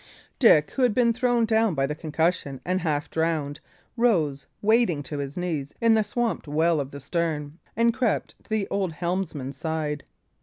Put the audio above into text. Dick, who had been thrown down by the concussion and half drowned, rose wading to his knees in the swamped well of the stern, and crept to the old helmsman's side.